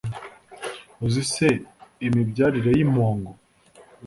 uzi se imibyarire y'impongo